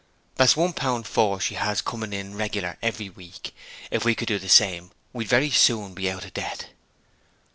That's one pound four she has coming in reglar every week. If we could do the same we'd very soon be out of debt.'